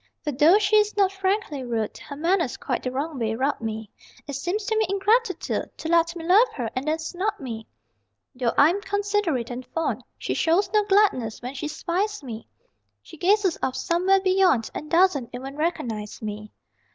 For, though she is not frankly rude, Her manners quite the wrong way rub me: It seems to me ingratitude To let me love her and then snub me! Though I'm considerate and fond, She shows no gladness when she spies me She gazes off somewhere beyond And doesn't even recognize me.